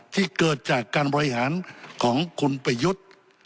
ที่เกิดจากการบริหารของคุณประยุทธ์